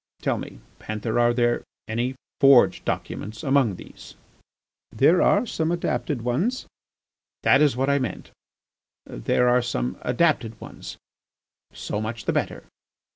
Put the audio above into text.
Tell me, Panther, are there any forged documents among these?" "There are some adapted ones." "That is what I meant. There are some adapted ones. So much the better.